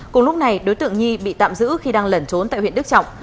cùng lúc này đối tượng nhi bị tạm giữ khi đang lẩn trốn tại huyện đức trọng